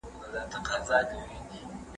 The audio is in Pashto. هغې لرې ځای ته د تګ اړتیا نه درلوده.